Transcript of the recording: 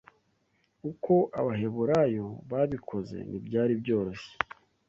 uko Abaheburayo babikoze ntibyari byoroshye